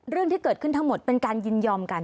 เรื่องที่เกิดขึ้นทั้งหมดเป็นการยินยอมกัน